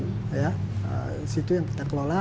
di situ yang kita kelola